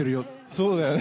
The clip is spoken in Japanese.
そうだよね。